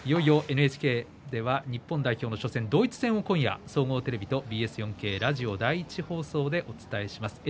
ＮＨＫでは日本代表の初戦ドイツ戦を今夜総合テレビとＢＳ４Ｋ、ラジオ第１放送でお伝えする他